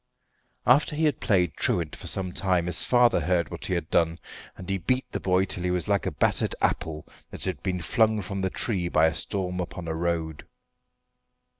After he had played truant for some time his father heard what he had done, and he beat the boy till he was like a battered apple that had been flung from the tree by a storm upon a road.